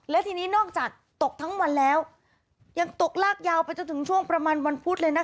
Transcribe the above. และทีนี้นอกจากตกทั้งวันแล้วยังตกลากยาวไปจนถึงช่วงประมาณวันพุธเลยนะคะ